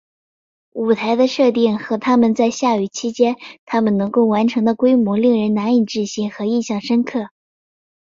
舞台的设定和他们在下雨期间他们能够完成的规模令人难以置信和印象深刻。